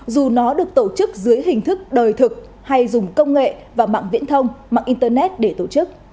dù nó được tổ chức dưới hình thức đời thực hay dùng công nghệ và mạng viễn thông mạng internet để tổ chức